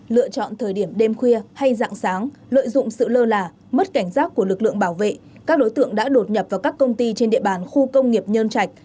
lựa chọn thời điểm đêm khuya hay dạng sáng lợi dụng sự lơ là mất cảnh giác của lực lượng bảo vệ các đối tượng đã đột nhập vào các công ty trên địa bàn khu công nghiệp nhân trạch